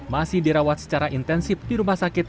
masih dirawat secara intensif di rumah sakit